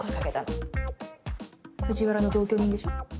藤原の同居人でしょ？